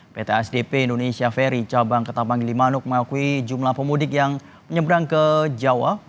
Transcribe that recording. pt sdp indonesia ferry cabang ke tabang gili manuk mengakui jumlah pemudik yang menyeberang ke jawa